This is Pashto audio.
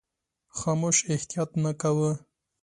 خاموش احتیاط نه کاوه.